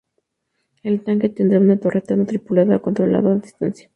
El tanque tendrá una torreta no tripulada, controlado a distancia.